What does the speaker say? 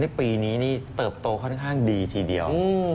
ปีนี้นี่เติบโตค่อนข้างดีทีเดียว